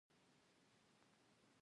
منفي فکرونه څنګه لرې کړو؟